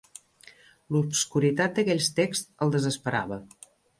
L'obscuritat d'aquells texts el desesperava.